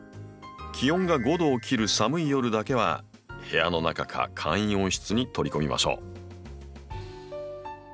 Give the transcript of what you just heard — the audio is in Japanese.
気温が５℃を切る寒い夜だけは部屋の中か簡易温室に取り込みましょう。